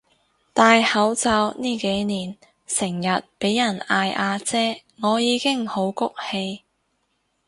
戴口罩呢幾年成日畀人嗌阿姐我已經好谷氣